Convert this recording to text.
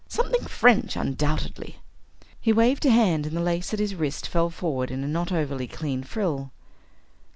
Something French, undoubtedly." He waved a hand and the lace at his wrist fell forward in a not overly clean frill.